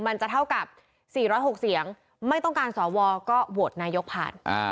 มันจะเท่ากับ๔๐๖เสียงไม่ต้องการสวก็โหวตนายกผ่าน